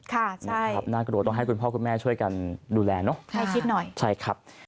ค่ะนะครับน่ากลัวต้องให้คุณพ่อคุณแม่ช่วยกันดูแลเนอะให้คิดหน่อยใช่ครับ